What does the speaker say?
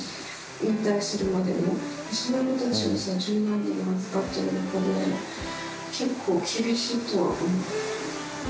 引退するまでも、その子たちを十何人も預かってる中で、結構厳しいとは思う。